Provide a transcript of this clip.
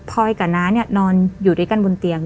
พอยกับน้าเนี่ยนอนอยู่ด้วยกันบนเตียง